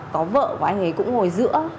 có vợ của anh ấy cũng ngồi giữa